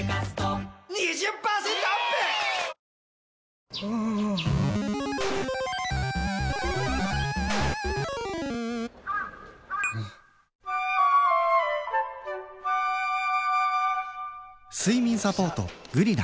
わかるぞ睡眠サポート「グリナ」